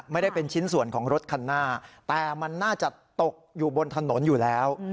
ไม่ได้เป็นชิ้นส่วนของรถคันหน้าแต่มันน่าจะตกอยู่บนถนนอยู่แล้ว